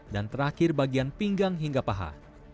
dan terakhir bagian pinggang hingga paha